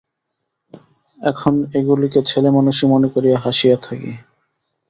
এখন এগুলিকে ছেলেমানুষি মনে করিয়া হাসিয়া থাকি।